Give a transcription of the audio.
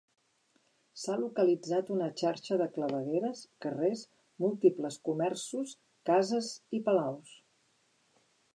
S'ha localitzat una xarxa de clavegueres, carrers, múltiples comerços, cases i palaus.